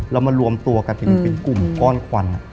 เรามารวมตัวกันเป็นกลุ่มก้อนควัน